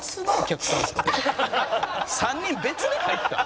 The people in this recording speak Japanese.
「３人別で入った？」